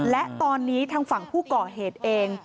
และตอนนี้ทางฝั่งผู้ก่อเหตุเอง